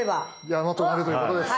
山となるということです。